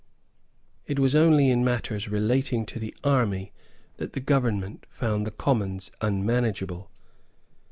It was only in matters relating to the army that the government found the Commons unmanageable.